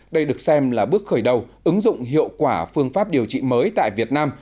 đây được xem là bước khởi đầu ứng dụng hiệu quả phương pháp điều trị mới tại việt nam